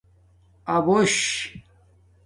اَبوش